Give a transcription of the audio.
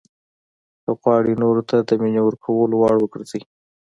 که غواړئ نورو ته د مینې ورکولو وړ وګرځئ.